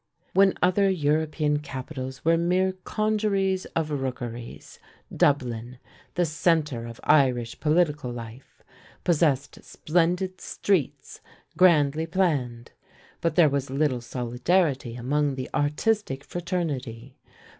When other European capitals were mere congeries of rookeries, Dublin, the centre of Irish political life, possessed splendid streets, grandly planned. But there was little solidarity among the artistic fraternity.